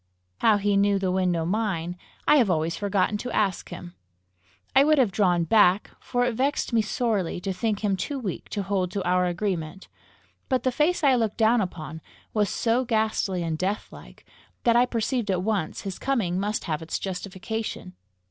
How he knew the window mine, I have always forgotten to ask him. I would have drawn back, for it vexed me sorely to think him too weak to hold to our agreement, but the face I looked down upon was so ghastly and deathlike, that I perceived at once his coming must have its justification.